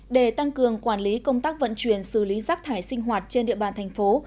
để tăng cường quản lý công tác vận chuyển xử lý rác thải sinh hoạt trên địa bàn thành phố